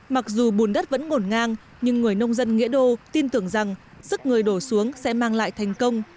mặc dù bùn đất vẫn ngổn ngang nhưng người nông dân nghĩa đô tin tưởng rằng sức người đổ xuống sẽ mang lại thành công